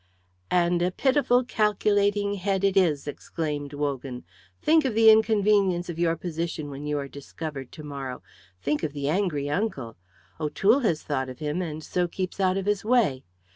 "And a pitiful, calculating head it is," exclaimed Wogan. "Think of the inconvenience of your position when you are discovered to morrow. Think of the angry uncle! O'Toole has thought of him and so keeps out of his way.